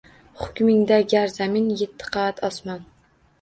Hukmingda gar zamin, yetti qavat osmon